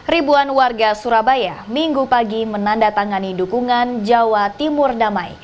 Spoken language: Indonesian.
ribuan warga surabaya minggu pagi menandatangani dukungan jawa timur damai